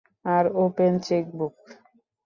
R open chequebook.